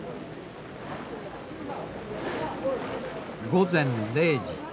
午前０時。